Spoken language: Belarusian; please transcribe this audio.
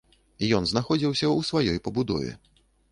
Ён знаходзіўся ў сваёй пабудове.